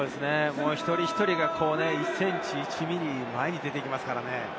一人一人が１ｃｍ、１ｍｍ前に出てきますからね。